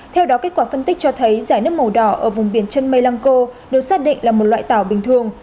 theo đó kết quả phân tích cho thấy rải nước màu đỏ ở vùng biển chân mây lang co được xác định là một loại tảo bình thường